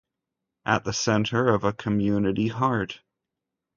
at the center of a community heart